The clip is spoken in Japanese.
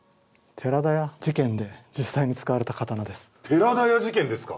寺田屋事件ですか！